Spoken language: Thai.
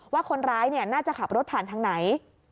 ว่าคนร้ายน่าจะขับรถผ่านทางไหน